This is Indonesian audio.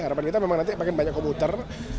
harapan kita memang nanti makin banyak komputer